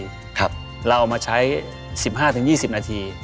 เราเอามาใช้๑๕๒๐นาที